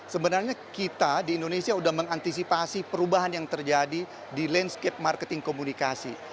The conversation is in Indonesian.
sebenarnya kita di indonesia sudah mengantisipasi perubahan yang terjadi di landscape marketing komunikasi